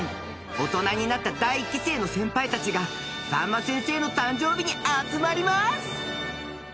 大人になった第一期生の先輩たちがさんま先生の誕生日に集まります］